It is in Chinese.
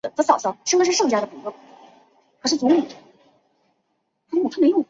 比赛设最佳老棋手。